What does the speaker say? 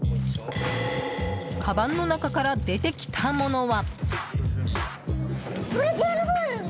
かばんの中から出てきたものは。